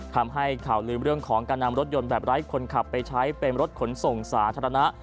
ทำให้ข่าวลืมเรื่องของการนำรถยนต์แบบไร้คนขับไปใช้เป็นรถขนส่งสาธารณะ